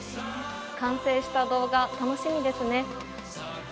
完成した動画、楽しみですね。